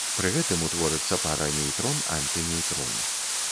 Пры гэтым утворыцца пара нейтрон-антынейтрон.